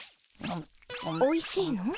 おいしいの？